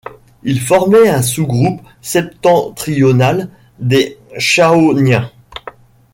Ils formaient un sous-groupe septentrional des Chaoniens.